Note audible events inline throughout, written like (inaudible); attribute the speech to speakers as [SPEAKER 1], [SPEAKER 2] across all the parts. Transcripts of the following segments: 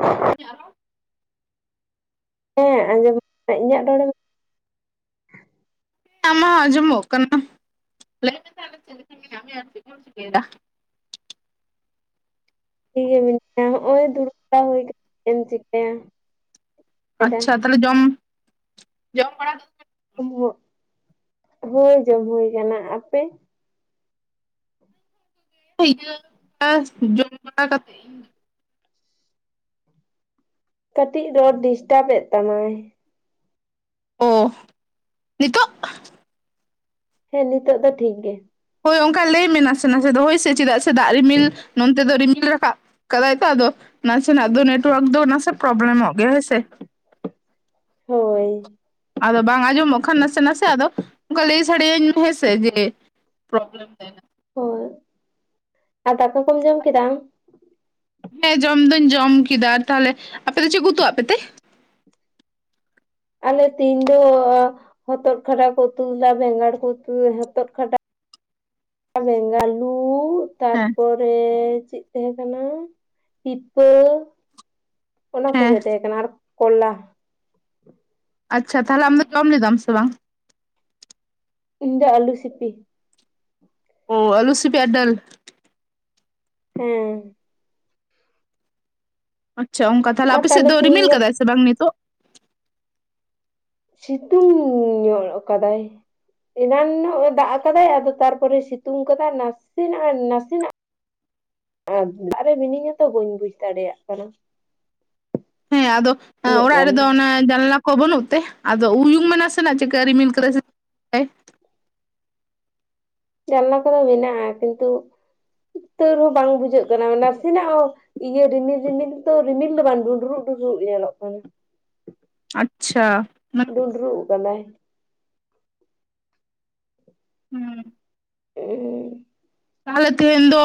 [SPEAKER 1] (unintelligible)
[SPEAKER 2] ᱦᱮᱸ ᱟᱸᱡᱚᱢ ᱤᱧᱟᱹᱜ ᱨᱚ. ᱲ ᱮᱢ
[SPEAKER 1] ᱟᱢᱟᱜ ᱟᱡᱚᱢᱚᱜ ᱠᱟᱱᱟ ᱞᱟᱹᱭ ᱢᱮ ᱛᱟᱦᱞᱮ ᱪᱮᱫ ᱞᱮᱠᱟ ᱢᱮᱱᱟᱜ ᱢᱮᱭᱟ ᱟᱨ ᱪᱮᱫ ᱠᱚᱢ ᱪᱤᱠᱟᱹᱭᱮᱫᱟ
[SPEAKER 2] ᱤᱭᱟᱹ ᱱᱚᱜᱼᱚᱭ ᱫᱩᱲᱩᱵ ᱵᱟᱲᱟ ᱦᱩᱭ ᱟᱠᱟᱱᱟ ᱪᱮᱫ ᱮᱢ ᱪᱤᱠᱟᱹᱭᱟ ᱾
[SPEAKER 1] ᱟᱪᱪᱷᱟ ᱛᱟᱦᱚᱞᱮ ᱡᱚᱢ ᱡᱚᱢ ᱵᱟᱲᱟ
[SPEAKER 2] (unintelligible) ᱦᱚᱭ ᱡᱚᱢ ᱦᱩᱭ ᱠᱟᱱᱟ ᱟᱯᱮ
[SPEAKER 1] ᱤᱭᱟᱹ (unintelligible) ᱡᱚᱢ ᱵᱟᱲᱟ ᱠᱟᱛᱮ
[SPEAKER 2] ᱠᱟᱹᱴᱤᱡ ᱨᱚᱲ ᱰᱤᱥᱴᱟᱵᱽ ᱮᱫ ᱛᱟᱢᱟᱭ
[SPEAKER 1] ᱳ ᱱᱤᱛᱚᱜ?
[SPEAKER 2] ᱦᱮᱸ ᱱᱤᱛᱚᱜ ᱫᱚ ᱴᱷᱤᱠ ᱜᱮ
[SPEAKER 1] ᱦᱳᱭ ᱚᱝᱠᱟ ᱞᱟᱹᱭ ᱢᱮ ᱱᱟᱥᱮ ᱱᱟᱥᱮ ᱫᱚ ᱦᱚᱭ ᱥᱮ ᱪᱮᱫᱟᱜ ᱥᱮ ᱫᱟᱜ ᱨᱤᱢᱤᱞ ᱱᱚᱱᱛᱮ ᱫᱚ ᱨᱤᱢᱤᱞ ᱨᱟᱠᱟᱜ ᱠᱟᱫᱟᱭᱛᱚ ᱟᱫᱚ ᱱᱟᱥᱮᱱᱟᱜ ᱫᱚ ᱱᱮᱴᱚᱣᱟᱨᱠ ᱫᱚ ᱱᱟᱥᱮ ᱯᱨᱚᱵᱞᱮᱢᱚᱜ ᱜᱮᱭᱟ ᱦᱳᱭ ᱥᱮ
[SPEAKER 2] ᱦᱳᱭ
[SPEAKER 1] ᱟᱫᱚ ᱵᱟᱝ ᱟᱸᱡᱚᱢᱚᱜ ᱠᱷᱟᱱ ᱱᱟᱥᱮ ᱱᱟᱥᱮ ᱟᱫᱚ ᱚᱱᱠᱟ ᱞᱟᱹᱭ ᱥᱟᱰᱮᱭᱟᱹᱧ ᱢᱮ ᱦᱮᱸᱥᱮ ᱡᱮ ᱯᱨᱳᱵᱮᱞᱮᱢ ᱫᱟᱭ
[SPEAKER 2] ᱦᱳᱭ, ᱟᱨ ᱫᱟᱠᱟ ᱠᱚᱢ ᱡᱚᱢ ᱠᱮᱫᱟ ᱟᱢ?
[SPEAKER 1] ᱦᱮᱸ ᱡᱚᱢ ᱫᱩᱧ ᱡᱚᱢ ᱠᱮᱫᱟ ᱛᱟᱦᱞᱮ ᱟᱯᱮ ᱫᱚ ᱪᱮᱜ ᱠᱚ ᱩᱛᱩ ᱟᱜ ᱯᱮᱛᱮ?
[SPEAKER 2] ᱟᱞᱮ ᱛᱤᱧ ᱫᱚ ᱟᱹ ᱦᱚᱛᱚᱫ ᱠᱷᱟᱰᱟ ᱠᱚ ᱩᱛᱩ ᱞᱮᱫᱟ ᱵᱮᱸᱜᱟᱲ ᱠᱚ ᱩᱛᱩ ᱞᱮᱫᱟ ᱦᱚᱛᱚᱛ ᱠᱷᱟᱰᱟ ᱵᱮᱝᱟᱞᱩ
[SPEAKER 1] ᱦᱮᱸ
[SPEAKER 2] ᱛᱟᱨᱯᱚᱨᱮ ᱪᱮᱫ ᱛᱟᱦᱮᱸ ᱠᱟᱱᱟ ᱯᱤᱯᱟᱹ ᱚᱱᱟ
[SPEAKER 1] ᱦᱮᱸ
[SPEAKER 2] ᱠᱚᱜᱮ ᱛᱟᱦᱮᱸ ᱠᱟᱱᱟ ᱟᱨ ᱠᱚᱞᱟ
[SPEAKER 1] ᱟᱪᱪᱷᱟ ᱛᱟᱦᱚᱞᱮ ᱟᱢ ᱫᱚ ᱡᱚᱢ ᱞᱮᱫᱟᱢ ᱥᱮ ᱵᱟᱝ?
[SPEAKER 2] ᱤᱧ ᱫᱚ ᱟᱞᱩᱥᱤᱯᱤ
[SPEAKER 1] ᱚ ᱟᱞᱩᱥᱤᱯᱤ ᱟᱨ ᱰᱟᱞ
[SPEAKER 2] ᱦᱮᱸ
[SPEAKER 1] ᱟᱪᱪᱷᱟ ᱚᱸᱠᱟ ᱛᱟᱦᱞᱮ
[SPEAKER 2] ᱟᱨ
[SPEAKER 1] ᱟᱯᱮᱥᱮᱫ
[SPEAKER 2] ᱛᱟᱦᱚᱞᱮ
[SPEAKER 1] ᱫᱚ ᱨᱤᱢᱤᱞ
[SPEAKER 2] ᱛᱮᱦᱤᱧ ᱜᱟᱯ
[SPEAKER 1] ᱠᱟᱫᱟᱭ ᱥᱮ ᱵᱟᱝ ᱱᱤᱛᱚᱜ?
[SPEAKER 2] ᱥᱤᱛᱩᱝ ᱧᱚᱜ ᱟᱠᱟᱫᱟᱭ ᱮᱱᱟᱱ-ᱟᱜ ᱮ ᱫᱟᱜ ᱟᱠᱟᱫᱟᱭ ᱟᱫᱚ ᱛᱟᱨᱯᱚᱨᱮ ᱥᱤᱛᱩᱝ ᱟᱠᱟᱫᱟᱭ ᱱᱟ ᱥᱮᱱᱟᱜ ᱱᱟᱥᱮᱱᱟᱜ ᱫᱟᱜ ᱨᱮ ᱨᱤᱢᱤᱞ ᱦᱚᱛ ᱵᱟᱹᱧ ᱵᱩᱡᱽ ᱫᱟᱲᱮᱭᱟᱜ ᱠᱟᱱᱟ
[SPEAKER 1] ᱦᱮᱸ ᱟᱫᱚ
[SPEAKER 2] ᱩᱱᱟᱹᱜ
[SPEAKER 1] ᱚᱲᱟᱜ
[SPEAKER 2] ᱜᱟᱱ
[SPEAKER 1] ᱨᱮᱫᱚ
[SPEAKER 2] ᱫᱚ
[SPEAKER 1] ᱚᱱᱟ ᱡᱟᱱᱟᱞᱟ ᱵᱟᱹᱱᱩᱜ ᱛᱮ ᱟᱫᱚ ᱩᱭᱩᱝ ᱢᱮ ᱥᱟᱮ ᱱᱟᱜ ᱪᱮᱜᱠᱟ ᱨᱤᱢᱤᱞ ᱠᱟᱫᱟᱭ ᱥᱮ ᱮ
[SPEAKER 2] ᱡᱟᱱᱟᱞᱟ ᱠᱚᱫᱚ ᱢᱮᱱᱟᱜᱼᱟ ᱠᱤᱱᱛᱩ ᱛᱟᱹᱣ ᱨᱮᱸᱦᱚᱸ ᱵᱟᱝ ᱵᱩᱡᱷᱟᱹᱜ ᱠᱟᱱᱟ ᱱᱟᱥᱮᱱᱟᱜ ᱦᱚᱸ ᱤᱭᱟᱹ ᱨᱤᱢᱤᱞ ᱨᱤᱢᱤᱞ ᱫᱚ ᱨᱤᱢᱤᱞ ᱫᱚ ᱵᱟᱝ ᱰᱩᱸᱰᱨᱩᱜ ᱰᱩᱸᱰᱨᱩᱜ ᱧᱮᱞᱚᱜ ᱠᱟᱱᱟ
[SPEAKER 1] ᱟᱪᱪᱷᱟ ᱢᱟᱱᱮ
[SPEAKER 2] ᱰᱩᱸᱰᱨᱩᱜ ᱟᱠᱟᱱᱟᱭ
[SPEAKER 1] ᱦᱩᱸ
[SPEAKER 2] (unintelligible)
[SPEAKER 1] ᱛᱟᱦᱚᱞᱮ ᱛᱮᱦᱮᱧ ᱫᱚ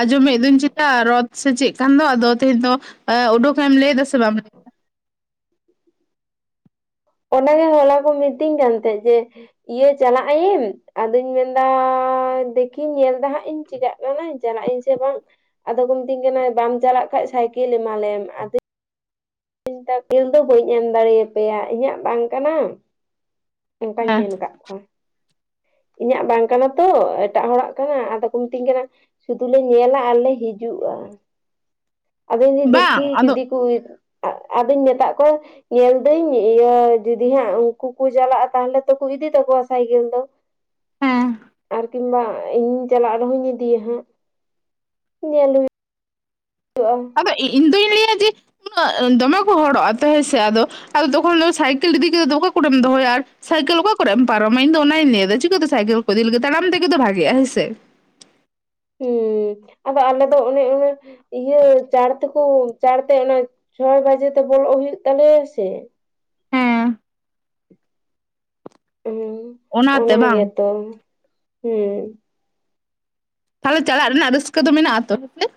[SPEAKER 1] ᱟᱸᱡᱚᱢᱮᱫ ᱫᱚᱧ ᱪᱮᱛᱟ ᱨᱚᱛ ᱥᱮ ᱪᱮᱜ ᱠᱟᱱ ᱫᱚ ᱟᱫᱚ ᱛᱮᱦᱮᱧ ᱫᱚ ᱩᱰᱩᱠᱮ ᱮᱢ ᱞᱟᱹᱭ ᱫᱟ ᱥᱮ ᱵᱟᱢ?
[SPEAKER 2] ᱚᱸᱰᱮ ᱜᱮ ᱦᱚᱞᱟ ᱠᱚ ᱢᱤᱛᱤᱧ ᱠᱟᱱ ᱛᱟᱦᱮᱸᱜ ᱡᱮ ᱤᱭᱟᱹ ᱪᱟᱞᱟᱜ ᱟᱭᱤᱢ ᱟᱫᱚᱧ ᱢᱮᱱᱫᱟ ᱫᱮᱠᱷᱤᱧ ᱧᱮᱞ ᱫᱟ ᱦᱟᱸᱜ ᱤᱧ ᱪᱤᱫᱟᱜ ᱪᱟᱞᱟᱜ ᱟᱹᱧ ᱥᱮ ᱵᱟᱝ ᱟᱫᱚ ᱠᱚ ᱢᱤᱛᱟᱹᱧ ᱠᱟᱱᱟ ᱵᱟᱢ ᱪᱟᱞᱟᱜ ᱠᱷᱟᱱ ᱥᱟᱭᱠᱮᱞ ᱮᱢᱟᱞᱮᱢ ᱟᱫᱚᱧ ᱥᱟᱭᱠᱮᱞ ᱫᱚ ᱵᱟᱹᱧ ᱮᱢ ᱫᱟᱲᱮᱭᱟᱯᱮᱭᱟ ᱤᱧᱟᱹᱜ ᱵᱟᱝ ᱠᱟᱱᱟ ᱚᱝᱠᱟᱧ
[SPEAKER 1] ᱦᱮᱸ
[SPEAKER 2] ᱢᱮᱱ ᱠᱟᱫ ᱠᱚᱣᱟ ᱤᱧᱟᱹᱜ ᱵᱟᱝ ᱠᱟᱱᱟ ᱛᱚ ᱮᱴᱟᱜ ᱦᱚᱲᱟᱜ ᱠᱟᱱᱟ ᱟᱫᱚ ᱠᱚ ᱢᱤᱛᱟᱹᱧ ᱠᱟᱱᱟ ᱥᱩᱫᱩ ᱞᱮ ᱧᱮᱞᱟ ᱟᱨᱞᱮ ᱦᱤᱡᱩᱜᱼᱟ ᱟᱫᱚ ᱯᱮᱫᱧᱟ ᱫᱮᱠᱷᱤ
[SPEAKER 1] ᱵᱟᱝ ᱟᱫᱚ
[SPEAKER 2] ᱡᱩᱫᱤ ᱠᱚ ᱦᱩᱭᱩᱜ ᱟᱫᱚᱧ ᱢᱮᱛᱫ ᱠᱚᱣᱟ ᱧᱮᱞ ᱫᱟᱹᱧ ᱤᱭᱟᱹ ᱡᱩᱫᱤ ᱦᱟᱸᱜ ᱩᱱᱠᱩ ᱠᱚ ᱪᱟᱞᱟᱜᱼᱟ ᱛᱟᱦᱞᱮ ᱛᱚᱠᱚ ᱤᱫᱤ ᱛᱟᱠᱚᱣᱟ ᱥᱟᱭᱠᱮᱞ ᱫᱚ
[SPEAKER 1] ᱦᱮᱸ
[SPEAKER 2] ᱟᱨ ᱠᱤᱝᱵᱟ ᱤᱧᱤᱧ ᱪᱟᱞᱟᱜ ᱨᱮᱦᱚᱧ ᱤᱫᱤᱭᱟ ᱦᱟᱸᱜ ᱧᱮᱞ ᱦᱩᱭᱩᱜ ᱛᱚᱜ-ᱟ
[SPEAKER 1] ᱟᱫᱚ ᱤᱧ ᱫᱚᱹᱧ ᱞᱟᱹᱭᱟ ᱡᱮ ᱩᱱᱟᱹᱜ ᱫᱚᱢᱮ ᱠᱚ ᱦᱚᱲᱚᱜ ᱟ ᱛᱚ ᱦᱮᱸᱥᱮ ᱟᱫᱚ ᱟᱫᱚ ᱛᱚᱠᱷᱚᱱ ᱫᱚ ᱥᱟᱭᱠᱮᱞ ᱤᱫᱤ ᱠᱟᱛᱮ ᱫᱚ ᱚᱠᱟ ᱠᱚᱨᱮᱢ ᱫᱚᱦᱚᱭᱟ ᱟᱨ ᱥᱟᱭᱠᱮᱞ ᱚᱠᱟ ᱠᱚᱨᱮᱢ ᱯᱟᱨᱚᱢᱟ ᱤᱧ ᱫᱚ ᱚᱱᱟᱧ ᱞᱟᱹᱭ ᱫᱟ ᱪᱤᱠᱟᱹᱛᱮ ᱥᱟᱭᱠᱮᱞ ᱠᱚ ᱠᱚ ᱤᱫᱤ ᱞᱟᱹᱜᱤᱫ ᱛᱟᱲᱟᱢ ᱛᱮᱜᱮ ᱛᱚ ᱵᱷᱟᱜᱮᱜ-ᱟ ᱦᱮᱸ ᱥᱮ
[SPEAKER 2] ᱩᱸ ᱟᱫᱚ ᱟᱞᱮ ᱫᱚ ᱚᱱᱮ ᱤᱱᱟᱹ ᱤᱭᱟᱹ ᱪᱟᱲ ᱛᱮᱠᱚ ᱪᱟᱲ ᱛᱮ ᱚᱱᱟ ᱪᱷᱚᱭ ᱵᱟᱡᱮ ᱛᱮ ᱵᱚᱞᱚᱜ ᱦᱩᱭᱩᱜ ᱛᱟᱞᱮᱭᱟ ᱥᱮ
[SPEAKER 1] ᱦᱮᱸ
[SPEAKER 2] ᱦᱩᱸ
[SPEAKER 1] ᱚᱱᱟᱛᱮ
[SPEAKER 2] ᱚᱱᱟ
[SPEAKER 1] ᱵᱟᱝ
[SPEAKER 2] ᱜᱮ ᱛᱚ ᱦᱩᱸ
[SPEAKER 1] ᱛᱟᱦᱚᱞᱮ ᱪᱟᱞᱟᱜ ᱨᱮᱱᱟᱜ ᱨᱟᱹᱥᱠᱟᱹ ᱫᱚ ᱢᱮᱱᱟᱜ ᱟ ᱛᱚ ᱦᱮᱸ (unintelligible) (inaudible)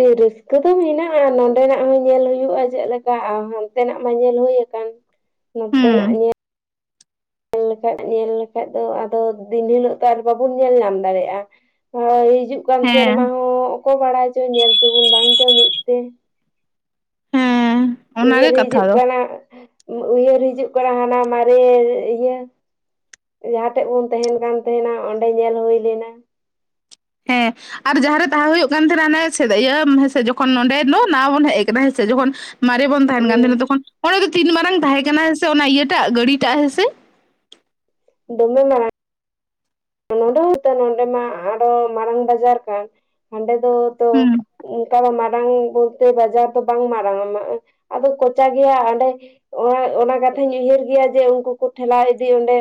[SPEAKER 2] ᱮᱭ ᱨᱟᱹᱥᱠᱟᱹ ᱫᱚ ᱢᱮᱱᱟᱜᱼᱟ, ᱱᱚᱰᱮᱱᱟᱜ ᱦᱚᱸ ᱧᱮᱞ ᱦᱩᱭᱩᱜᱼᱟ ᱪᱮᱫ ᱞᱮᱠᱟ ᱟᱨ ᱦᱟᱱᱛᱮᱱᱟᱜ ᱢᱟ ᱧᱮᱞ ᱦᱩᱭ ᱟᱠᱟᱱ, ᱱᱚᱛᱮ ᱱᱟᱜ
[SPEAKER 1] ᱦᱩᱸ
[SPEAKER 2] ᱧᱮᱞ, ᱞᱮᱠᱷᱟᱡ ᱧᱮᱞ ᱞᱮᱠᱷᱟᱡ ᱫᱚ ᱟᱫᱚ ᱫᱤᱱ ᱦᱤᱞᱳᱜ ᱫᱚ ᱟᱨ ᱵᱟᱵᱚᱱ ᱧᱮᱞ ᱧᱟᱢ ᱫᱟᱲᱮᱭᱟᱜᱼᱟ᱾ ᱦᱚᱭ ᱦᱤᱡᱩᱜ ᱠᱟᱱ ᱥᱮᱨᱢᱟ
[SPEAKER 1] ᱦᱮᱸ
[SPEAKER 2] ᱦᱚᱸ ᱚᱠᱚᱭ ᱵᱟᱲᱟᱭ ᱪᱚ ᱧᱮᱞ ᱪᱚ ᱵᱚᱱ ᱵᱟᱝ ᱪᱚ ᱢᱤᱫ ᱛᱮ᱾
[SPEAKER 1] ᱦᱮᱸ ᱚᱱᱟᱜᱮ
[SPEAKER 2] ᱩᱭᱦᱟᱹᱨ
[SPEAKER 1] ᱠᱟᱛᱷᱟ
[SPEAKER 2] ᱦᱤᱡᱩᱜ
[SPEAKER 1] ᱫᱚ
[SPEAKER 2] ᱠᱟᱱᱟ ᱟᱸᱦᱼ ᱩᱭᱦᱟᱹᱨ ᱦᱤᱡᱩᱜ ᱠᱟᱱᱟ ᱦᱟᱱᱟ ᱢᱟᱨᱮ ᱤᱭᱟᱹ ᱡᱟᱦᱟᱸᱴᱮᱡ ᱵᱚᱱ ᱛᱟᱦᱮᱱ ᱠᱟᱱ ᱛᱟᱦᱮᱱᱟ ᱚᱸᱰᱮ ᱧᱮᱞ ᱦᱩᱭ ᱞᱮᱱᱟ᱾
[SPEAKER 1] ᱦᱮᱸ (inaudible) ᱟᱨ ᱡᱟᱦᱟᱸᱨᱮ ᱛᱟᱦᱮᱸ ᱦᱩᱭᱩᱜ ᱠᱟᱱ ᱛᱟᱦᱮᱱᱟ ᱦᱟᱱᱮ (inaudible) ᱤᱭᱟᱹ ᱦᱮᱸ ᱥᱮ ᱡᱚᱠᱷᱚᱱ ᱱᱚᱸᱰᱮ ᱫᱚ ᱱᱟᱣᱟ ᱵᱚᱱ ᱦᱮᱡ ᱟᱠᱟᱱᱟ ᱦᱮᱸ ᱥᱮ ᱡᱚᱠᱷᱚᱱ ᱢᱟᱨᱮ ᱵᱚᱱ ᱛᱟᱦᱮᱱ ᱠᱟᱱ
[SPEAKER 2] ᱦᱮᱸ
[SPEAKER 1] ᱛᱟᱦᱮᱱᱟ ᱛᱚᱠᱷᱚᱱ ᱚᱸᱰᱮ ᱫᱚ ᱛᱤᱱ ᱢᱟᱨᱟᱝ ᱛᱟᱦᱮᱸ ᱠᱟᱱᱟ ᱦᱮᱸᱥᱮ ᱚᱱᱟ ᱤᱭᱟᱹᱴᱟᱜ ᱜᱟᱹᱰᱤ ᱴᱟᱜ ᱦᱮᱸ ᱥᱮ?
[SPEAKER 2] ᱫᱚᱢᱮ ᱢᱟᱨᱟᱝ᱾ ᱱᱚᱰᱮ ᱦᱚᱸ ᱛᱚ ᱱᱚᱰᱮ ᱢᱟ ᱟᱨ ᱦᱚᱸ ᱢᱟᱨᱟᱝ ᱵᱟᱡᱟᱨ ᱠᱟᱱ ᱦᱟᱸᱰᱮ ᱫᱚ ᱛᱚ
[SPEAKER 1] ᱦᱩᱸ
[SPEAKER 2] (unintelligible) ᱛᱟᱦᱞᱮ ᱢᱟᱨᱟᱝ ᱵᱚᱞᱛᱮ ᱵᱟᱡᱟᱨ ᱫᱚ ᱵᱟᱝ ᱢᱟᱨᱟᱝ-ᱟ ᱟᱫᱚ ᱠᱚᱪᱟ ᱜᱮᱭᱟ ᱦᱟᱸᱰᱮ (inaudible) ᱚᱱᱟ ᱠᱟᱛᱷᱟᱧ ᱩᱭᱦᱟᱹᱨ ᱜᱮᱭᱟ ᱡᱮ ᱩᱱᱠᱩ ᱠᱚ ᱴᱷᱮᱞᱟᱣ ᱤᱫᱤ ᱚᱸᱰᱮ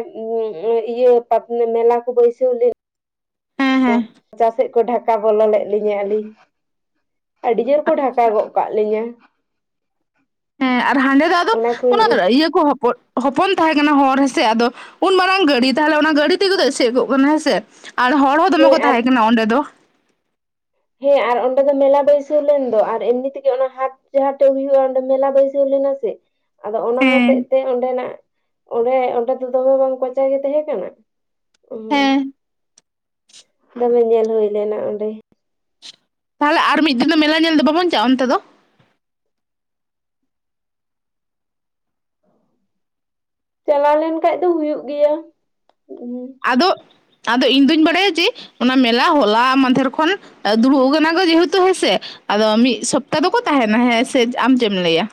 [SPEAKER 2] (inaudible) ᱤᱭᱟᱹ (inaudible) ᱢᱮᱞᱟ ᱠᱚ ᱵᱟᱹᱭᱥᱟᱹᱣ ᱞᱮᱫ,
[SPEAKER 1] ᱦᱮᱸ ᱦᱮᱸ
[SPEAKER 2] ᱪᱮᱫ ᱠᱚ ᱰᱷᱟᱠᱟ ᱵᱚᱞᱚ ᱞᱮᱫ ᱞᱤᱧᱟ ᱟᱹᱞᱤᱧ ᱟᱹᱰᱤ ᱡᱩᱨ ᱠᱚ
[SPEAKER 1] ᱟᱪᱪᱷᱟ
[SPEAKER 2] ᱰᱷᱟᱠᱟ ᱜᱚᱜ ᱠᱟᱜ ᱞᱤᱧᱟ᱾
[SPEAKER 1] ᱦᱮᱸ ᱟᱨ ᱦᱟᱸᱰᱮ ᱫᱚ ᱟᱫᱚ
[SPEAKER 2] ᱚᱱᱟ
[SPEAKER 1] ᱚᱱᱟᱹ ᱫᱚ
[SPEAKER 2] ᱠᱚᱧ
[SPEAKER 1] ᱤᱭᱟᱹ ᱠᱚ ᱦᱚᱯᱚ (unintelligible) ᱦᱚᱯᱚᱱ ᱛᱟᱦᱮᱸ ᱠᱟᱱᱟ ᱦᱚᱨ ᱦᱮᱸ ᱥᱮ ᱟᱫᱚ ᱩᱱ ᱢᱟᱨᱟᱝ ᱜᱟᱹᱰᱤ ᱛᱟᱦᱚᱞᱮ ᱚᱱᱟ ᱜᱟᱹᱰᱤ ᱛᱮᱜᱮ ᱛᱚ ᱮᱥᱮᱫ ᱠᱚᱜ ᱠᱟᱱᱟ ᱦᱮᱸ ᱥᱮ᱾ ᱟᱨ ᱦᱚᱲ ᱦᱚᱸ ᱫᱚᱢᱮ
[SPEAKER 2] ᱦᱮᱸ
[SPEAKER 1] ᱠᱚ
[SPEAKER 2] ᱟᱨ
[SPEAKER 1] ᱛᱟᱦᱮᱸ ᱠᱟᱱᱟ ᱚᱸᱰᱮ ᱫᱚ ᱾
[SPEAKER 2] ᱦᱮᱸ ᱟᱨ ᱚᱱᱰᱮ ᱫᱚ ᱢᱮᱞᱟ ᱵᱟᱹᱭᱥᱟᱹᱣ ᱞᱮᱱ ᱫᱚ ᱟᱨ ᱮᱢᱱᱤ ᱛᱮᱜᱮ ᱚᱱᱟ ᱦᱟᱴ ᱡᱟᱦᱟᱸᱴᱮᱡ ᱦᱩᱭᱩᱜᱼᱟ ᱚᱸᱰᱮ ᱢᱮᱞᱟ ᱵᱟᱹᱭᱥᱟᱹᱣ ᱞᱮᱱᱟ ᱥᱮ ᱟᱫᱚ ᱚᱱᱟ ᱦᱚᱛᱮᱜ
[SPEAKER 1] ᱦᱮᱸ
[SPEAKER 2] ᱛᱮ ᱚᱸᱰᱮᱱᱟᱜ ᱚᱸᱰᱮ ᱚᱸᱰᱮ ᱫᱚ ᱫᱚᱢᱮ ᱵᱟᱝ ᱠᱚᱪᱟ ᱜᱮ ᱛᱟᱦᱮᱸ ᱠᱟᱱᱟ ᱦᱩᱸ
[SPEAKER 1] ᱦᱮᱸ
[SPEAKER 2] (unintelligible) ᱫᱚᱢᱮ ᱧᱮᱞ ᱦᱩᱭ ᱞᱮᱱᱟ ᱚᱸᱰᱮ᱾
[SPEAKER 1] ᱛᱟᱦᱚᱞᱮ ᱟᱨ ᱢᱤᱫ ᱫᱤᱱ ᱫᱚ ᱢᱮᱞᱟ ᱧᱮᱞ ᱫᱚ ᱵᱟᱵᱚᱱ ᱪᱟᱞᱟᱜᱼᱟ ᱚᱱᱛᱮ ᱫᱚ?
[SPEAKER 2] ᱪᱟᱞᱟᱣ ᱞᱮᱱ ᱠᱷᱟᱡ ᱫᱚ ᱦᱩᱭᱩᱜ ᱜᱮᱭᱟ ᱦᱩᱸ (unintelligible)
[SPEAKER 1] ᱟᱫᱚ, ᱟᱫᱚ ᱤᱧ ᱫᱩᱧ ᱵᱟᱲᱟᱭᱟ ᱡᱮ ᱚᱱᱟ ᱢᱮᱞᱟ ᱦᱚᱞᱟ ᱢᱟᱫᱷᱮᱨ ᱠᱷᱚᱱ ᱫᱩᱲᱩᱵ ᱟᱠᱟᱱᱟ ᱠᱚ ᱡᱮᱦᱮᱛᱩ ᱦᱮᱸ ᱥᱮ, ᱟᱫᱚ ᱢᱤᱫ ᱥᱚᱯᱛᱟ ᱫᱚᱠᱚ ᱛᱟᱦᱮᱱᱟ ᱦᱮᱸ ᱥᱮ ᱟᱢ ᱪᱮᱫ ᱮᱢ ᱞᱟᱹᱭ-ᱟ?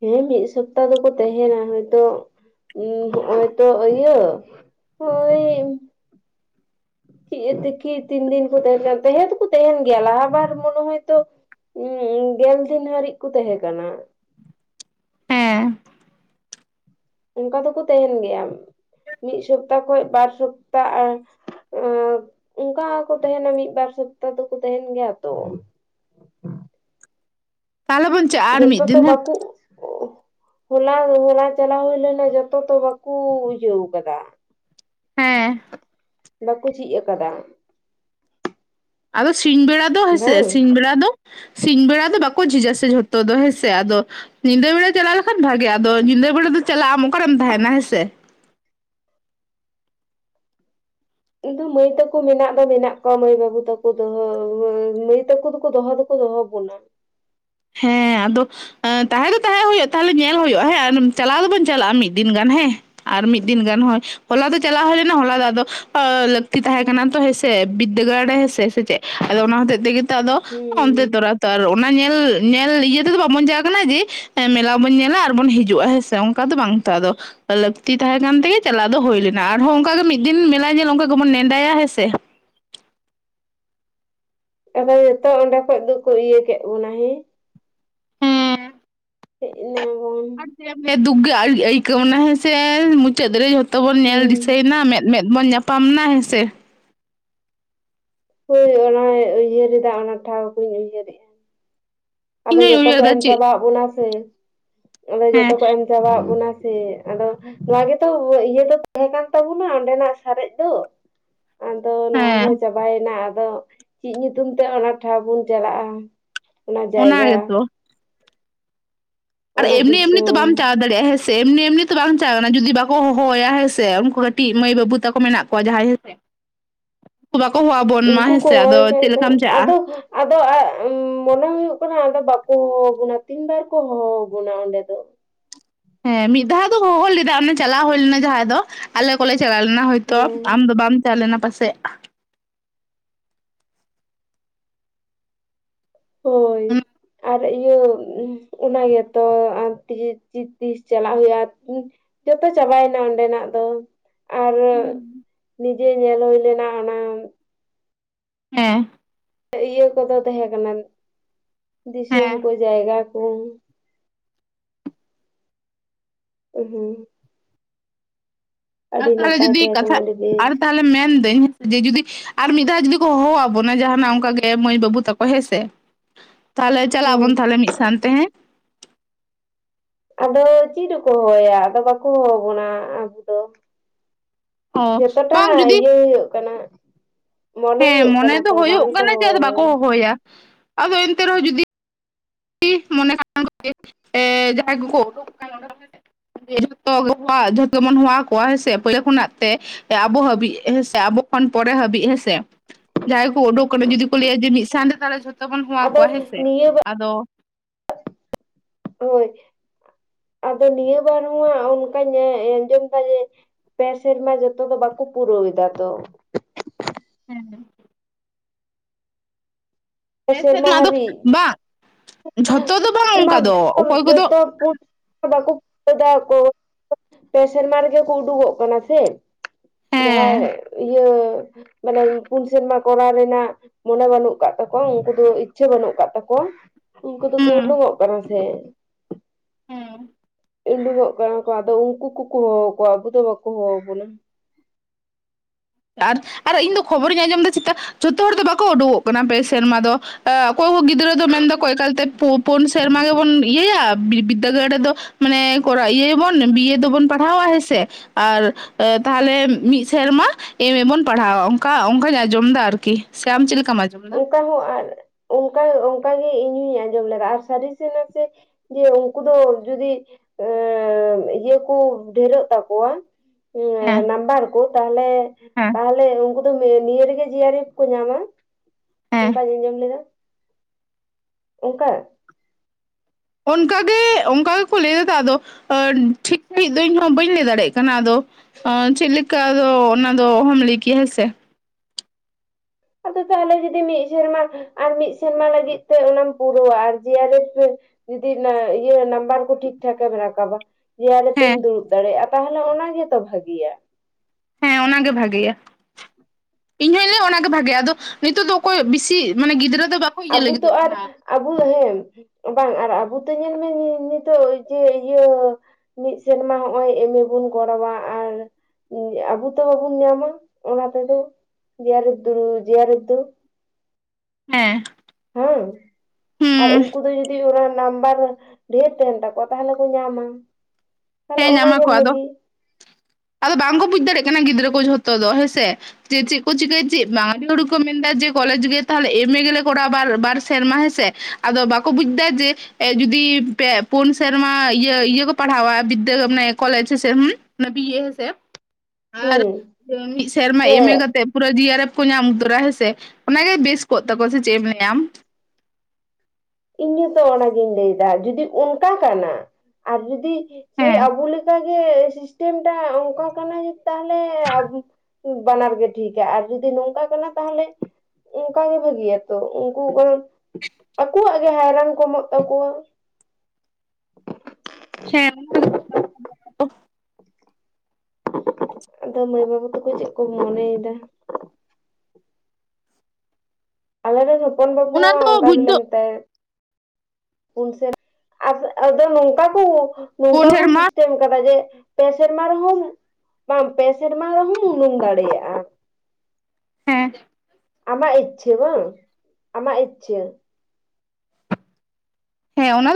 [SPEAKER 2] ᱦᱮᱸ ᱢᱤᱫ ᱥᱚᱯᱛᱟ ᱫᱚ ᱠᱚ ᱛᱟᱦᱮᱱᱟ ᱦᱚᱭᱛᱚ (inaudible) ᱛᱚ ᱤᱭᱟᱹ ᱦᱳᱭ (unintelligible) (inaudible) ᱫᱤᱠᱤ ᱛᱤᱱ ᱫᱤᱱ ᱠᱚ ᱛᱟᱦᱮᱱ ᱠᱟᱱ ᱛᱟᱸᱦᱮ ᱫᱚᱠᱚ ᱛᱟᱦᱮᱱ ᱜᱮᱭᱟ ᱞᱟᱦᱟ ᱵᱟᱨ ᱢᱚᱱᱮ ᱦᱚᱭᱛᱚ ᱩᱸ ᱜᱮᱞ ᱫᱤᱱ ᱦᱟᱹᱨᱤᱡ ᱠᱚ ᱛᱟᱸᱦᱮ ᱠᱟᱱᱟ ᱾
[SPEAKER 1] ᱦᱮᱸ
[SPEAKER 2] ᱚᱱᱠᱟ ᱫᱚᱠᱚ ᱛᱟᱦᱮᱱ ᱜᱮᱭᱟ᱾ (unintelligible) ᱢᱤᱫ ᱥᱚᱯᱛᱟ ᱠᱷᱚᱡ ᱵᱟᱨ ᱥᱚᱯᱛᱟ ᱟ (unintelligible) ᱟᱨ ᱟᱸ᱾ ᱚᱱᱠᱟ ᱦᱚᱸᱠᱚ ᱛᱟᱦᱮᱱᱟ ᱢᱤᱫᱵᱟᱨ ᱥᱚᱯᱛᱟ ᱫᱚ ᱠᱚ ᱛᱟᱦᱮᱱ ᱜᱮᱭᱟ ᱛᱚ ᱾
[SPEAKER 1] ᱛᱟᱦᱚᱞᱮ ᱵᱚᱱ ᱪᱟᱞᱟᱜᱼᱟ ᱟᱨ
[SPEAKER 2] ᱡᱚᱛᱚ
[SPEAKER 1] ᱢᱤᱫ
[SPEAKER 2] ᱛᱚ
[SPEAKER 1] ᱫᱤᱱ ᱦᱮᱸ
[SPEAKER 2] (unintelligible) ᱦᱚᱞᱟ ᱦᱚᱞᱟ ᱪᱟᱞᱟᱣ ᱦᱩᱭ ᱞᱮᱱᱟ ᱡᱚᱛᱚ ᱛᱚ ᱵᱟᱠᱩ ᱤᱭᱟᱹᱣ ᱟᱠᱟᱫᱟ ᱾
[SPEAKER 1] ᱦᱮᱸ
[SPEAKER 2] ᱵᱟᱠᱚ ᱡᱷᱤᱜ ᱟᱠᱟᱫᱟ ᱾
[SPEAKER 1] ᱟᱫᱚ ᱥᱤᱧ ᱵᱮᱲᱟ ᱫᱚ ᱦᱮᱸ ᱥᱮ
[SPEAKER 2] ᱵᱟᱝ
[SPEAKER 1] ᱥᱤᱧ ᱵᱮᱲᱟ ᱫᱚ, ᱾ ᱥᱤᱧ ᱵᱮᱲᱟ ᱫᱚ ᱵᱟᱠᱚ ᱡᱷᱤᱡᱟ ᱥᱮ ᱡᱷᱚᱛᱚ ᱫᱚ ᱦᱮᱸ ᱥᱮ ᱟᱫᱚ ᱧᱤᱫᱟᱹ ᱵᱮᱲᱟ ᱪᱟᱞᱟᱣ ᱞᱮᱠᱷᱟᱱ ᱵᱷᱟᱜᱮᱼᱟ ᱟᱫᱚ ᱧᱤᱫᱟᱹ ᱵᱮᱲᱟ ᱫᱚ ᱪᱟᱞᱟᱜ ᱟᱢ ᱚᱠᱟᱨᱮᱢ ᱛᱟᱦᱮᱱᱟ ᱦᱮᱸ ᱥᱮ?
[SPEAKER 2] ᱤᱫᱩ ᱢᱟᱹᱭ ᱛᱟᱠᱚ ᱢᱮᱱᱟᱜ ᱫᱚ ᱢᱮᱱᱟᱜ ᱠᱚᱣᱟ ᱢᱟᱹᱭ ᱵᱟᱹᱵᱩ ᱛᱟᱠᱚ ᱫᱚᱦᱚ ᱢᱟᱹᱭ ᱛᱟᱠᱚ ᱫᱚᱠᱚ ᱫᱚᱦᱚ ᱫᱚᱼᱼ ᱫᱚᱦᱚ ᱵᱚᱱᱟ᱾
[SPEAKER 1] ᱦᱮᱸ ᱟᱫᱚ? ᱛᱟᱦᱮᱸ ᱫᱚ ᱛᱟᱦᱮᱸ ᱦᱩᱭᱩᱜᱼᱟ ᱛᱟᱦᱚᱞᱮ ᱧᱮᱞ ᱦᱩᱭᱩᱜᱼᱟ ᱦᱮᱸ ᱟᱨ ᱪᱟᱞᱟᱣ ᱫᱚᱵᱚᱱ ᱪᱟᱞᱟᱜᱼᱟ ᱢᱤᱫ ᱫᱤᱱ ᱜᱟᱱ ᱦᱮᱸ᱾ ᱟᱨ ᱢᱤᱫ ᱫᱤᱱ ᱜᱟᱱ, ᱦᱳᱭ ᱦᱚᱞᱟ ᱫᱚ ᱪᱟᱞᱟᱣ ᱦᱩᱭ ᱞᱮᱱᱟ, ᱦᱚᱞᱟ ᱫᱚ ᱟᱫᱚ ᱟᱼᱼ ᱞᱟᱹᱠᱛᱤ ᱛᱟᱦᱮᱸ ᱠᱟᱱᱟ ᱛᱚ ᱦᱮᱸ ᱥᱮ ᱵᱤᱫᱫᱟᱹᱜᱟᱲ ᱦᱮᱸ ᱥᱮ ᱥᱮ ᱪᱮᱫ ᱟᱫᱚ ᱚᱱᱟ ᱦᱚᱛᱮᱡ ᱛᱮᱜᱮ ᱛᱚ ᱟᱫᱚ ᱚᱱᱛᱮ
[SPEAKER 2] ᱦᱩᱸ
[SPEAKER 1] ᱛᱚᱨᱟ ᱛᱚ ᱟᱨ ᱚᱱᱟ ᱧᱮᱞ ᱧᱮᱞ ᱤᱭᱟᱹ ᱛᱮᱫᱚ ᱵᱟᱵᱚᱱ ᱪᱟᱜ ᱠᱟᱱᱟ ᱡᱮ ᱢᱮᱞᱟ ᱵᱚᱱ ᱧᱮᱞᱟ ᱟᱨᱵᱚᱱ ᱦᱤᱡᱩᱜᱼᱟ ᱦᱮᱸᱥᱮ ᱚᱱᱠᱟ ᱫᱚ ᱵᱟᱝ ᱛᱚ ᱾ ᱟᱫᱚ ᱞᱟᱹᱠᱛᱤ ᱛᱟᱦᱮᱸ ᱠᱟᱱ ᱛᱮᱜᱮ ᱪᱟᱞᱟᱣ ᱫᱚ ᱦᱩᱭ ᱞᱮᱱᱟ ᱟᱨᱦᱚᱸ ᱚᱱᱠᱟᱟᱜ ᱜᱮ ᱢᱤᱫ ᱫᱤᱱ ᱢᱮᱞᱟ ᱧᱮᱞ ᱚᱱᱠᱟ ᱜᱮᱵᱚᱱ ᱱᱮᱰᱟᱭᱟ ᱦᱮᱸᱥᱮ ᱾
[SPEAKER 2] ᱟᱫᱚ ᱱᱤᱛᱚᱜ ᱚᱸᱰᱮ ᱠᱷᱚᱡ ᱫᱚᱠᱚ ᱤᱭᱟᱹ ᱠᱮᱫ ᱵᱚᱱᱟ ᱦᱮᱸ᱾
[SPEAKER 1] ᱦᱮᱸ
[SPEAKER 2] ᱦᱮᱡ ᱮᱱᱟ ᱵᱚᱱ
[SPEAKER 1] ᱪᱮᱫ ᱞᱟᱭ-ᱟ ᱫᱩᱠ ᱜᱮ ᱟᱹᱰᱤ ᱟᱹᱭᱠᱟᱹᱣ ᱱᱟ ᱦᱮᱸᱥᱮ ᱢᱩᱪᱟᱹᱫ ᱨᱮ ᱡᱷᱚᱛᱚ ᱵᱚᱱ ᱧᱮᱞ
[SPEAKER 2] ᱦᱩᱸ
[SPEAKER 1] ᱫᱤᱥᱟᱹᱭᱮᱱᱟ ᱢᱮᱫ ᱢᱮᱫ ᱵᱚᱱ ᱧᱟᱯᱟᱢ ᱱᱟ ᱦᱮᱸ ᱥᱮ᱾
[SPEAKER 2] ᱦᱳᱭ ᱚᱱᱟᱭ ᱩᱭᱦᱟᱹᱨ ᱮᱫᱟ ᱚᱱᱟ ᱴᱷᱟᱶ ᱠᱚᱧ ᱩᱭᱦᱟᱹᱨᱮᱫᱟ᱾ ᱟᱫᱚ
[SPEAKER 1] ᱤᱧ ᱦᱚᱧ
[SPEAKER 2] ᱡᱚᱛᱚ
[SPEAKER 1] ᱩᱭᱦᱟᱹᱨ
[SPEAKER 2] ᱠᱚ
[SPEAKER 1] ᱫᱟ
[SPEAKER 2] ᱮᱢ
[SPEAKER 1] ᱪᱮᱫ
[SPEAKER 2] ᱪᱟᱵᱟᱜ-ᱟ ᱵᱚᱱᱟ ᱥᱮ ᱚᱸᱵᱮ ᱡᱚᱛᱚ
[SPEAKER 1] ᱦᱮᱸ
[SPEAKER 2] ᱠᱚ ᱮᱢ ᱪᱟᱵᱟᱜ ᱵᱚᱱᱟ ᱦᱮ ᱟᱫᱚ ᱱᱚᱣᱟ ᱜᱮᱛᱚ ᱤᱭᱟᱹ ᱫᱚ ᱛᱟᱦᱮᱸ ᱠᱟᱱ ᱛᱟᱵᱚᱱᱟ ᱚᱸᱰᱮᱱᱟᱜ ᱥᱟᱨᱮᱡ ᱫᱚ ᱟᱫᱚ ᱱᱚᱣᱟ
[SPEAKER 1] ᱦᱮᱸ
[SPEAKER 2] ᱦᱚᱸ ᱪᱟᱵᱟᱭᱮᱱᱟ ᱟᱫᱚ ᱪᱮᱫ ᱧᱩᱛᱩᱢ ᱛᱮ ᱚᱱᱟ ᱴᱷᱟᱶ ᱵᱚᱱ ᱪᱟᱞᱟᱜᱼᱟ᱾
[SPEAKER 1] ᱚᱱᱟ ᱜᱮᱛᱚ ᱟᱨ
[SPEAKER 2] ᱚᱱᱟ
[SPEAKER 1] ᱮᱢᱱᱤ ᱮᱢᱱᱤ ᱛᱚ
[SPEAKER 2] ᱫᱤᱥᱚᱢ
[SPEAKER 1] ᱵᱟᱢ ᱪᱟ ᱫᱟᱲᱭᱟᱜᱼᱟ ᱦᱮᱸᱥᱮ ᱮᱢᱱᱤ ᱮᱢᱱᱤ ᱛᱚ ᱵᱟᱝ ᱪᱟᱜ ᱠᱟᱱᱟ ᱡᱩᱫᱤ ᱵᱟᱠᱚ ᱦᱚᱦᱚᱣᱭᱟ ᱦᱮᱸᱥᱮ ᱩᱱᱠᱩ ᱠᱟᱹᱴᱤᱡ ᱢᱟᱹᱭ ᱵᱟᱹᱵᱩ ᱛᱟᱠᱚ ᱢᱮᱱᱟᱜ ᱠᱚᱣᱟ ᱡᱟᱦᱟᱸᱭ ᱦᱮᱸᱥᱮ
[SPEAKER 2] (unintelligible)
[SPEAKER 1] ᱵᱟᱠᱚ ᱦᱚᱦᱚᱣᱟ ᱵᱚ
[SPEAKER 2] ᱩᱱᱠᱩ ᱠᱚ ᱦᱚᱦᱚᱭ ᱠᱷᱟᱡ ᱫᱚ ᱟᱫᱚ ᱟᱫᱚ ᱟ ᱚᱩᱸ ᱢᱚᱱᱮ ᱦᱩᱭᱩᱜ ᱠᱟᱱᱟ ᱟᱫᱚ ᱵᱟᱠᱚ ᱦᱚᱦᱚ ᱟᱵᱚᱱᱟ ᱛᱤᱱᱵᱟᱨ ᱠᱚ ᱦᱚᱦᱚ ᱟᱵᱚᱱᱟ ᱚᱸᱰᱮ ᱫᱚ?
[SPEAKER 1] ᱦᱮᱸ ᱢᱤᱫ ᱫᱷᱟᱣ ᱫᱚ ᱦᱚᱦᱚ ᱞᱮᱫᱟ ᱚᱱᱮ ᱪᱟᱞᱟ ᱦᱩᱭ ᱞᱮᱱᱟ ᱡᱟᱦᱟᱸᱭ ᱫᱚ ᱟᱞᱮ ᱠᱚᱞᱮ ᱪᱟᱞᱟᱣ ᱞᱮᱱᱟ ᱦᱳᱭᱛᱚ
[SPEAKER 2] ᱦᱮᱸ
[SPEAKER 1] ᱟᱢ ᱫᱚ ᱵᱟᱢ ᱪᱟᱞᱟᱣ ᱞᱮᱱᱟ ᱯᱟᱥᱮᱫ᱾
[SPEAKER 2] ᱦᱳᱭ ᱟᱨ ᱤᱭᱟᱹ ᱚᱱᱟ ᱜᱮᱛᱚ ᱟᱨ ᱛᱤᱥ ᱛᱤᱥ ᱪᱟᱞᱟᱜ ᱦᱩᱭᱩᱜᱼᱟ ᱡᱷᱚᱛᱚ ᱪᱟᱵᱟᱭᱮᱱᱟ ᱚᱸᱰᱮᱱᱟᱜ ᱫᱚ ᱟᱨ ᱱᱤᱡᱮ ᱧᱮᱞ ᱦᱩᱭ ᱞᱮᱱᱟ ᱚᱱᱟ
[SPEAKER 1] ᱦᱮᱸ
[SPEAKER 2] ᱤᱭᱟᱹ ᱠᱚᱫᱚ ᱛᱟᱦᱮᱸ ᱠᱟᱱᱟ ᱫᱤᱥᱚᱢ
[SPEAKER 1] ᱦᱮᱸ
[SPEAKER 2] ᱠᱚ ᱡᱟᱭᱜᱟ ᱠᱚ ᱟ ᱦᱚᱸ (inaudible)
[SPEAKER 1] ᱠᱟᱛᱷᱟ ᱜᱮ
[SPEAKER 2] ᱱᱟᱯᱟᱭ
[SPEAKER 1] ᱡᱩᱫᱤ
[SPEAKER 2] ᱛᱟᱦᱮᱸ ᱠᱟᱱᱟ
[SPEAKER 1] ᱠᱟᱛᱷᱟ
[SPEAKER 2] ᱟᱹᱰᱤ ᱵᱮᱥ
[SPEAKER 1] ᱟᱨ ᱛᱟᱦᱞᱮ ᱢᱮᱱᱫᱟᱹᱧ ᱡᱩᱫᱤ ᱟᱨ ᱢᱤᱫ ᱫᱷᱟᱣ ᱡᱩᱫᱤ ᱠᱚ ᱦᱚᱦᱚ ᱟᱵᱚᱱᱟ ᱡᱟᱦᱟᱱᱟᱜ ᱚᱱᱠᱟᱜ ᱜᱮ ᱢᱟᱹᱭ ᱵᱟᱹᱵᱩ ᱛᱟᱠᱚ ᱦᱮᱸ ᱥᱮ ᱛᱟᱦᱞᱮ ᱪᱟᱞᱟᱜ
[SPEAKER 2] ᱦᱩᱸ
[SPEAKER 1] ᱟᱵᱚᱱ ᱛᱟᱦᱞᱮ ᱢᱤᱫ ᱥᱟᱱᱛᱮ ᱦᱮᱸ
[SPEAKER 2] ᱟᱫᱚ ᱪᱤᱜ ᱨᱮᱠᱚ ᱦᱚᱦᱚᱟᱭᱟ ᱟᱫᱚ ᱵᱟᱠᱚ ᱦᱚᱦᱚ ᱵᱚᱱᱟ ᱟᱵᱚ ᱫᱚ
[SPEAKER 1] ᱚ
[SPEAKER 2] ᱡᱷᱚᱛᱚᱴᱟ
[SPEAKER 1] ᱵᱟᱝ ᱡᱩᱫᱤ
[SPEAKER 2] ᱤᱭᱟᱹ ᱦᱩᱭᱩᱜ ᱠᱟᱱᱟ ᱢᱚᱱᱮ
[SPEAKER 1] ᱦᱮᱸ
[SPEAKER 2] ᱦᱩᱭᱩᱜ
[SPEAKER 1] ᱢᱚᱱᱮ
[SPEAKER 2] ᱠᱟᱱᱟ
[SPEAKER 1] ᱫᱚ
[SPEAKER 2] ᱛᱚ ᱵᱟᱝ
[SPEAKER 1] ᱦᱩᱭᱩᱜᱳᱜ
[SPEAKER 2] ᱠᱚ
[SPEAKER 1] ᱠᱟᱱᱟ
[SPEAKER 2] ᱦᱚᱦᱚ
[SPEAKER 1] ᱡᱮ ᱵᱟᱠᱚ
[SPEAKER 2] ᱟᱵᱚᱱ
[SPEAKER 1] ᱦᱚᱦᱚᱭᱟ ᱟᱫᱚ ᱮᱱᱛᱮ ᱨᱮᱦᱚᱸ ᱡᱩᱫᱤ ᱡᱩᱫᱤ ᱢᱚᱱᱮ ᱠᱷᱟᱱ ᱠᱚ ᱮᱻᱡᱟᱸᱦᱟᱭ ᱠᱚ ᱠᱚ ᱩᱰᱩᱠ ᱠᱟᱱ (inaudible) (inaudible) ᱡᱷᱚᱛᱚ ᱜᱟᱯᱟ ᱡᱷᱚᱛᱚ ᱜᱮᱵᱚᱱ ᱦᱚᱣᱟ ᱠᱚᱣᱟ ᱦᱮᱸᱥᱮ ᱯᱳᱭᱞᱳ ᱠᱷᱚᱱᱟᱜ ᱛᱮ ᱮ ᱟᱵᱚ ᱦᱟᱹᱵᱤᱡ ᱦᱮᱸᱥᱮ ᱟᱵᱚ ᱠᱷᱚᱱ ᱯᱚᱨᱮ ᱦᱟᱹᱵᱤᱡ ᱦᱮᱸᱥᱮ ᱡᱟᱦᱟᱸᱭ ᱠᱚ ᱩᱰᱩᱠ ᱠᱟᱱᱟ ᱡᱩᱫᱤ ᱠᱚ ᱞᱟᱹᱭᱟ ᱡᱮ ᱢᱤᱫ ᱥᱟᱝ ᱛᱮ ᱛᱟᱦᱚᱞᱮ ᱡᱷᱚᱛᱚ ᱵᱚᱱ ᱦᱚᱦᱚ
[SPEAKER 2] ᱟᱫᱚ
[SPEAKER 1] ᱟᱠᱚᱣᱟ ᱦᱮᱸᱥᱮ
[SPEAKER 2] ᱱᱤᱭᱟᱹ
[SPEAKER 1] ᱟᱫᱚ
[SPEAKER 2] ᱦᱳᱭ ᱟᱫᱚ ᱱᱤᱭᱟᱹ ᱵᱟᱨ ᱦᱚᱸ ᱦᱟᱜ ᱚᱱᱠᱟ ᱟᱸᱡᱚᱢ ᱫᱟ ᱡᱮ ᱯᱮ ᱥᱮᱨᱢᱟ ᱡᱚᱛᱚ ᱫᱚ ᱵᱟᱠᱚ ᱯᱩᱨᱟᱹᱣ ᱮᱫᱟ ᱛᱚ
[SPEAKER 1] ᱦᱮᱸ ᱦᱸ
[SPEAKER 2] ᱯᱮ ᱥᱮᱨᱢᱟ ᱦᱟᱹᱨᱤᱢ
[SPEAKER 1] ᱡᱷᱚᱛᱚ ᱫᱚ ᱵᱟᱝ ᱚᱱᱠᱟ ᱫᱚ ᱚᱠᱚᱭ ᱠᱚᱫᱚ
[SPEAKER 2] (unintelligible) ᱵᱟᱠᱚ (unintelligible) ᱯᱮ ᱥᱮᱨᱢᱟ ᱨᱮᱜᱮ ᱠᱚ ᱩᱰᱩᱠᱚᱜ ᱠᱟᱱᱟ ᱥᱮ
[SPEAKER 1] ᱦᱮᱸ
[SPEAKER 2] ᱡᱟᱦᱟᱸᱭ ᱤᱭᱟᱹ ᱢᱟᱱᱮ ᱯᱩᱱ ᱥᱮᱨᱢᱟ ᱠᱚᱨᱟᱣ ᱨᱮᱱᱟᱜ ᱢᱚᱱᱮ ᱵᱟᱹᱱᱩᱜ ᱟᱠᱟᱫ ᱛᱟᱠᱚᱣᱟ ᱩᱱᱠᱩ ᱫᱚ ᱤᱪᱷᱟᱹ ᱵᱟᱹᱱᱩᱜ ᱠᱟᱜ ᱛᱟᱠᱚᱣᱟ ᱩᱱᱠᱩ ᱫᱚᱠᱚ
[SPEAKER 1] ᱦᱩᱸ
[SPEAKER 2] ᱩᱸᱰᱳᱜᱚᱜ ᱠᱟᱱᱟ ᱥᱮ
[SPEAKER 1] ᱦᱮᱸ
[SPEAKER 2] ᱩᱸᱰᱩᱜᱚᱜ ᱠᱟᱱᱟ ᱠᱚ ᱟᱫᱚ ᱩᱱᱠᱩ ᱠᱚᱠᱚ ᱦᱚᱦᱚ ᱟᱠᱚᱣᱟ ᱟᱵᱚ ᱫᱚ ᱵᱟᱠᱚ ᱦᱚᱦᱚᱣᱟ ᱵᱚᱱᱟ
[SPEAKER 1] ᱟᱨ ᱟᱨ ᱤᱧᱫᱚ ᱠᱷᱚᱵᱚᱨᱤᱧ ᱟᱸᱡᱚᱢᱫᱟ ᱪᱤᱛᱟ ᱡᱚᱛᱚ ᱦᱚᱲ ᱫᱚ ᱵᱟᱠᱚ ᱩᱸᱰᱳᱠᱚᱜ ᱠᱟᱱᱟ ᱯᱮ ᱥᱮᱨᱢᱟ ᱫᱚ ᱚᱠᱚᱭ ᱦᱚᱸ ᱜᱤᱫᱽᱨᱟᱹ ᱫᱚ ᱢᱮᱱᱫᱟᱠ ᱮᱠᱟᱞᱛᱮ ᱯᱳ ᱯᱳᱱ ᱥᱮᱨᱢᱟ ᱜᱮᱵᱚᱱ ᱤᱭᱟᱹᱭᱟ ᱵᱤᱫ ᱵᱤᱫᱽᱫᱟᱹᱜᱟᱲ ᱨᱮᱫᱚ... ᱢᱟᱱᱮ ᱠᱚᱨᱟ ᱤᱭᱟᱹᱭᱟ ᱟᱵᱚᱱ ᱵᱤᱭᱮ ᱫᱚᱵᱚᱱ ᱯᱟᱲᱦᱟᱣᱭᱟ ᱦᱮᱸ ᱥᱮ ᱟᱨ ᱮ ᱛᱟᱦᱚᱞᱮ ᱢᱤᱜ ᱥᱮᱨᱢᱟ ᱮᱢᱮ ᱵᱚᱱ ᱯᱟᱲᱦᱟᱣᱟ ᱚᱝᱠᱟ ᱚᱝᱠᱟᱧ ᱟᱸᱡᱚᱢ ᱫᱟ ᱟᱨᱠᱤ ᱥᱮ ᱟᱢ ᱪᱮᱜ ᱞᱮᱠᱟᱢ ᱟᱸᱡᱚᱢ ᱫᱟ?
[SPEAKER 2] ᱚᱠᱟ ᱦᱚᱸ ᱟᱨ ᱚᱝᱠᱟ ᱚᱝᱠᱟᱜᱮ ᱤᱧ ᱦᱚᱸᱧ ᱟᱸᱡᱚᱢ ᱞᱮᱫᱟ ᱟᱨ ᱥᱟᱹᱨᱤ ᱥᱮ ᱱᱟᱥᱮ ᱡᱮ ᱩᱝᱠᱩ ᱫᱚ ᱡᱩᱫᱤ ᱮᱸᱻ ᱤᱭᱟᱹ ᱠᱚ ᱰᱷᱮᱨᱚᱜ ᱛᱟᱠᱚᱣᱟ ᱾ ᱮᱸᱻ
[SPEAKER 1] ᱦᱮᱸ
[SPEAKER 2] ᱱᱟᱢᱵᱟᱨ ᱠᱚ ᱛᱟᱦᱞᱮ
[SPEAKER 1] ᱦᱮᱸ
[SPEAKER 2] ᱛᱟᱦᱚᱞᱮ ᱩᱝᱠᱩ ᱫᱚ ᱱᱤ ᱱᱤᱭᱟᱹ ᱨᱮᱜᱮ ᱡᱤ ᱟᱨ ᱮᱯ ᱠᱚ ᱧᱟᱢᱟ ᱾
[SPEAKER 1] ᱦᱮᱸ
[SPEAKER 2] ᱚᱝᱠᱟᱧ ᱟᱸᱡᱚᱢ ᱞᱮᱫᱟ ᱾ ᱚᱝᱠᱟ
[SPEAKER 1] ᱚᱱᱠᱟᱜᱮ ᱚᱝᱠᱟ ᱜᱮᱠᱚ ᱞᱮᱭ ᱫᱟᱛᱚ ᱟᱫᱚ ᱴᱷᱤᱠ ᱥᱟᱺᱦᱤᱡ ᱫᱚ ᱤᱧ ᱦᱚᱸ ᱵᱟᱹᱧ ᱞᱟᱹᱭ ᱫᱟᱲᱮᱜ ᱠᱟᱱᱟ ᱟᱫᱚ ᱾ ᱟᱸ ᱪᱮᱜ ᱞᱮᱠᱟ ᱟᱫᱚ ᱚᱱᱟ ᱫᱚ ᱚᱦᱚᱢ ᱞᱮᱭ ᱠᱮᱭᱟ ᱦᱮᱸ ᱥᱮ ᱾
[SPEAKER 2] ᱟᱫᱚ ᱛᱟᱦᱚᱞᱮ ᱡᱩᱫᱤ ᱢᱤᱜ ᱥᱮᱨᱢᱟ ᱟᱨ ᱢᱤᱜ ᱥᱮᱨᱢᱟ ᱞᱟᱹᱜᱤᱫ ᱛᱮ ᱚᱱᱟᱢ ᱯᱩᱨᱟᱹᱣᱟ ᱟᱨ ᱡᱤ ᱟᱨ ᱮᱯ ᱨᱮ ᱡᱩᱫᱤ ᱱᱟᱜ ᱤᱭᱟᱹ ᱱᱟᱢᱵᱟᱨ ᱠᱚ ᱴᱷᱤᱠ ᱴᱷᱟᱠ ᱮᱢ ᱨᱟᱠᱟᱵᱟ ᱡᱮ ᱟᱨ ᱮᱯ ᱮᱢ
[SPEAKER 1] ᱦᱮᱸ
[SPEAKER 2] ᱫᱩᱲᱩᱵ ᱫᱟᱲᱮᱜᱼᱟ ᱛᱟᱦᱚᱞᱮ ᱚᱱᱟ ᱜᱮᱛᱚ ᱵᱷᱟᱜᱤᱭᱟ ᱾
[SPEAKER 1] ᱦᱮᱸ ᱚᱱᱟᱜᱮ ᱵᱷᱟᱜᱮᱭᱟ ᱾ ᱤᱧ ᱦᱩᱧ ᱞᱟᱹᱭᱟ ᱚᱱᱟᱜᱮ ᱵᱷᱟᱜᱮᱭᱟ ᱟᱫᱚ ᱱᱤᱛᱚᱜ ᱫᱚ ᱚᱠᱚᱭ ᱵᱤᱥᱤ ᱢᱟᱱᱮ ᱜᱤᱫᱽᱨᱟᱹ ᱫᱚ ᱵᱟ
[SPEAKER 2] ᱟᱵᱚ ᱛᱚ ᱟᱨ ᱟᱵᱚ ᱦᱮᱸ ᱵᱟᱝ ᱟᱨ ᱟᱵᱚ ᱛᱚ ᱧᱮᱞ ᱢᱮ ᱧᱤ ᱧᱤᱛᱚᱜ ᱡᱮ ᱤᱭᱟᱹ ᱢᱤᱜ ᱥᱮᱨᱢᱟ ᱦᱚᱜᱼᱚᱭ ᱮᱢᱮ ᱵᱚᱱ ᱠᱚᱨᱟᱣᱟ ᱟᱨ ᱟᱵᱚ ᱛᱚ ᱵᱟᱵᱚᱱ ᱧᱟᱢᱟ ᱚᱱᱟ ᱛᱮᱫᱚ ᱡᱮ ᱟᱨ ᱮᱯ ᱫᱩᱲᱩᱵ ᱡᱮ ᱟᱨ ᱮᱯ ᱫᱚ ᱾
[SPEAKER 1] ᱦᱮᱸ ᱾
[SPEAKER 2] ᱦᱮᱸ ᱟᱨ ᱩᱝᱠᱩ ᱫᱚ ᱡᱩᱫᱤ ᱚᱱᱟ ᱱᱟᱢᱵᱟᱨ ᱰᱷᱮᱨ ᱛᱟᱦᱮᱱ ᱛᱟᱠᱚᱣᱟ ᱛᱟᱦᱚᱞᱮ ᱠᱚ ᱧᱟᱢᱟ ᱾
[SPEAKER 1] ᱦᱮᱸ ᱧᱟᱢᱟ ᱠᱚ ᱟᱫᱚ ᱟᱫᱚ ᱵᱟᱝᱠᱚ ᱵᱩᱡ ᱫᱟᱲᱮᱜ ᱠᱟᱱᱟ ᱜᱤᱫᱽᱨᱟᱹ ᱠᱚ ᱡᱷᱚᱛᱚ ᱫᱚ ᱦᱮᱸ ᱥᱮ ᱾ ᱡᱮ ᱪᱮᱜ ᱠᱚ ᱪᱤᱠᱟᱹᱭᱟ ᱪᱮᱜ ᱵᱟᱝ ᱟᱹᱰᱤ ᱦᱚᱲ ᱜᱮ ᱠᱚ ᱢᱮᱱᱫᱟ ᱡᱮ ᱠᱚᱞᱮᱡᱽ ᱜᱮ ᱛᱟᱦᱚᱞᱮ ᱮᱢ ᱮ ᱜᱮᱞᱮ ᱠᱚᱨᱟᱣᱟ ᱵᱟᱨ ᱵᱟᱨ ᱥᱮᱨᱢᱟ ᱦᱮᱸᱥᱮ ᱟᱫᱚ ᱵᱟᱠᱚ ᱵᱩᱡᱫᱟ ᱡᱮ ᱮ ᱡᱩᱫᱤ ᱯᱮ ᱯᱳᱱ ᱥᱮᱨᱢᱟ ᱤᱭᱟᱹ ᱤᱭᱟᱹ ᱠᱚ ᱯᱟᱲᱦᱟᱣᱟ ᱫᱟᱹ ᱢᱟᱱᱮ ᱠᱚᱞᱡᱽ ᱦᱮᱸ ᱥᱮ ᱦᱩᱸ ᱚᱱᱟ ᱵᱤ ᱮ ᱦᱮᱸ ᱥᱮ ᱾ ᱟᱨ
[SPEAKER 2] ᱦᱮᱸ
[SPEAKER 1] ᱢᱤᱜ ᱥᱮᱨᱢᱟ ᱮᱢ ᱮ
[SPEAKER 2] ᱦᱮᱸ
[SPEAKER 1] ᱠᱟᱛᱮᱫ ᱯᱩᱨᱟᱹ ᱡᱤ ᱟᱨ ᱮᱯ ᱠᱚ ᱧᱟᱢ ᱩᱛᱟᱹᱨᱟ ᱦᱮᱸᱥᱮ ᱚᱱᱟ ᱜᱮ ᱵᱮᱥ ᱠᱚᱜ ᱛᱟᱠᱚᱣᱟ ᱥᱮ ᱪᱮᱜ ᱮᱢ ᱞᱟᱹᱭᱟ ᱟᱢ?
[SPEAKER 2] ᱤᱧ ᱦᱚᱸᱛᱚ ᱚᱱᱟᱜᱤᱧ ᱞᱮᱭᱫᱟ ᱡᱩᱫᱤ ᱚᱝᱠᱟ ᱠᱟᱱᱟ ᱟᱨ ᱡᱩᱫᱤ ᱥᱮᱭ
[SPEAKER 1] ᱦᱮᱸ
[SPEAKER 2] ᱟᱵᱚ ᱞᱮᱠᱟ ᱡᱮ ᱥᱤᱥᱴᱮᱢᱴᱟ ᱚᱝᱠᱟ ᱠᱟᱱᱟ ᱡᱩᱫᱤ ᱛᱟᱦᱚᱞᱮ ᱵᱟᱱᱟᱨ ᱜᱮ ᱴᱷᱤᱠᱟ ᱟᱨ ᱡᱩᱫᱤ ᱱᱚᱝᱠᱟ ᱠᱟᱱᱟ ᱛᱟᱦᱚᱞᱮ ᱚᱝᱠᱟ ᱜᱮ ᱵᱷᱟᱜᱤᱭᱟᱛᱚ ᱩᱝᱠᱩ ᱚᱠᱚᱭ ᱦᱚᱸ ᱩᱝᱠᱩᱣᱟᱜ ᱜᱮ ᱦᱟᱭᱨᱟᱱ ᱠᱚᱢᱚᱜ ᱛᱟᱠᱚᱣᱟ ᱾
[SPEAKER 1] ᱥᱮ ᱚᱱᱟ ᱫᱚ
[SPEAKER 2] ᱟᱫᱚ ᱢᱟᱹᱭ ᱵᱟᱹᱵᱩ ᱛᱟᱠᱚ ᱪᱮᱜ ᱠᱚ ᱢᱚᱱᱮᱭᱮᱫᱟ? ᱟᱞᱮ ᱨᱮᱱ ᱦᱚᱯᱚᱱ ᱵᱟᱹᱵᱩ
[SPEAKER 1] ᱚᱱᱟ
[SPEAKER 2] ᱦᱚᱸ
[SPEAKER 1] ᱫᱚ
[SPEAKER 2] ᱚᱝᱠᱟ
[SPEAKER 1] ᱵᱩᱡᱽ
[SPEAKER 2] ᱜᱮᱞᱮ
[SPEAKER 1] ᱫᱚ
[SPEAKER 2] ᱢᱮᱛᱟᱭ ᱩᱱ ᱥᱮ ᱟᱫ ᱟᱫᱚ ᱱᱚᱝᱠᱟ ᱠᱚ ᱱᱚᱝᱠᱟ
[SPEAKER 1] ᱯᱩᱱ
[SPEAKER 2] ᱠᱚ ᱥᱤᱥ
[SPEAKER 1] ᱥᱮᱨᱢᱟ
[SPEAKER 2] ᱴᱮᱢ ᱠᱟᱫᱟ ᱡᱮ ᱯᱮᱥᱮᱨᱢᱟ ᱨᱮᱦᱚᱸ ᱵᱟᱝ ᱯᱮ ᱥᱮᱨᱢᱟ ᱨᱮᱦᱚᱢ ᱩᱸᱰᱳᱝ ᱫᱟᱲᱮᱭᱟᱜ ᱾
[SPEAKER 1] ᱦᱮᱸ ᱺ
[SPEAKER 2] ᱟᱢᱟᱜ ᱤᱪᱪᱷᱟᱹ ᱵᱟᱝ ᱟᱢᱟᱜ ᱤᱪᱪᱷᱟᱹ ᱾
[SPEAKER 1] ᱦᱮᱸ ᱚᱱᱟ ᱫᱚ